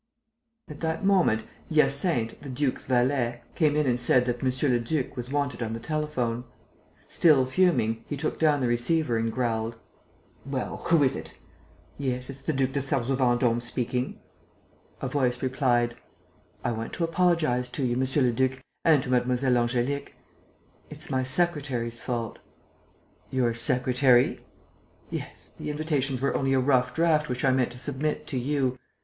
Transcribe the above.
At that moment, Hyacinthe, the duke's valet, came in and said that monsieur le duc was wanted on the telephone. Still fuming, he took down the receiver and growled: "Well? Who is it? Yes, it's the Duc de Sarzeau Vendôme speaking." A voice replied: "I want to apologize to you, monsieur le duc, and to Mlle. Angélique. It's my secretary's fault." "Your secretary?" "Yes, the invitations were only a rough draft which I meant to submit to you.